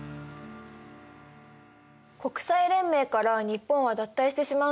国際連盟から日本は脱退してしまうんだね。